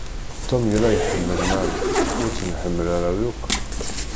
Tom yella iḥemmel Marie ur t-nḥemmel ara yakk.